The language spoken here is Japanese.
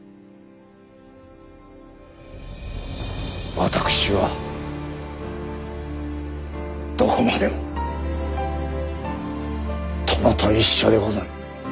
私はどこまでも殿と一緒でござる。